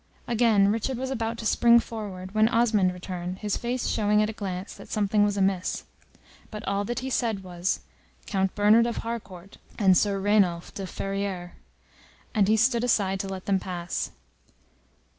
Again Richard was about to spring forward, when Osmond returned, his face showing, at a glance, that something was amiss; but all that he said was, "Count Bernard of Harcourt, and Sir Rainulf de Ferrieres," and he stood aside to let them pass.